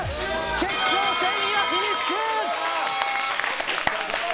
決勝戦、フィニッシュ！